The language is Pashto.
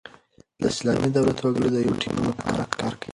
د اسلامي دولت وګړي د یوه ټیم له پاره کار کوي.